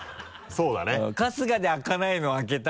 そうだよね。